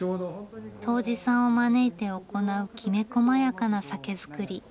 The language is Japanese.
杜氏さんを招いて行うきめこまやかな酒造り。